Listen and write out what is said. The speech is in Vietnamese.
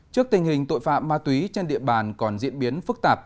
trước tình hình tội phạm ma túy trên địa bàn còn diễn biến phức tạp